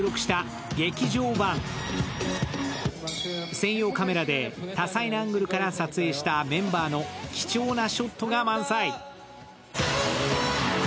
専用カメラで多彩なアングルから撮影したメンバーの貴重なショットが満載。